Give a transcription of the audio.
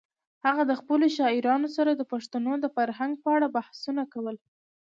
هغه د خپلو شاعرانو سره د پښتنو د فرهنګ په اړه بحثونه کول.